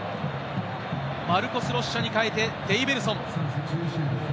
マルコス・ロッシャに代えてデイベルソン。